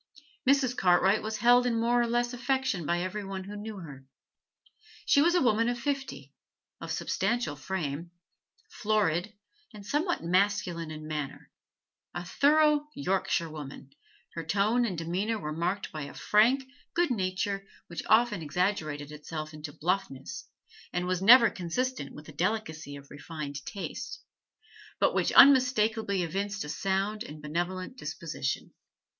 Mrs. Cartwright was held in more or less affection by every one who knew her. She was a woman of fifty, of substantial frame, florid, and somewhat masculine in manner; a thorough Yorkshire woman, her tone and demeanour were marked by a frank good nature which often exaggerated itself into bluffness, and was never consistent with the delicacy of refined taste, but which unmistakably evinced a sound and benevolent disposition.